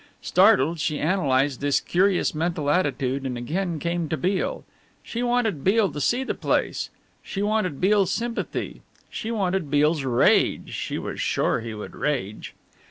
Startled, she analysed this curious mental attitude and again came to Beale. She wanted Beale to see the place. She wanted Beale's sympathy. She wanted Beale's rage she was sure he would rage.